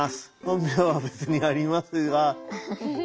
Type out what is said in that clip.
本名は別にありますが。